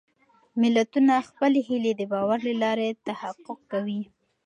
ملتونه خپلې هېلې د باور له لارې تحقق کوي.